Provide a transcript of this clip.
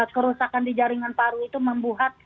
kerusakan di jaringan paru itu membuat